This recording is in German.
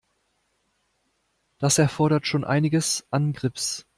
Das erfordert schon einiges an Grips.